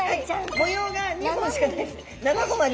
模様が２本しかない。